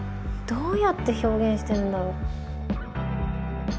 どうやって表現してるんだろう？